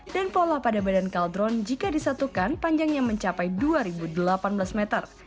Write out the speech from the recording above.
dan pola pada badan kaldron jika disatukan panjangnya mencapai dua ribu delapan belas meter